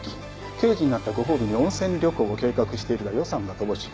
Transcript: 刑事になったご褒美に温泉旅行を計画しているが予算は乏しい。